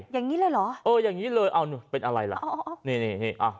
อย่างนี้เลยเหรอเอออย่างนี้เลยเอานู่นเป็นอะไรล่ะอ๋อนี่นี่อ่ะ